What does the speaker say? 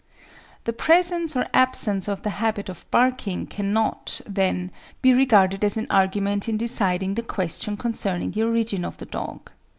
The presence or absence of the habit of barking cannot, then, be regarded as an argument in deciding the question concerning the origin of the dog.